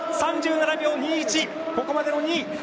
３７秒２１、ここまでの２位。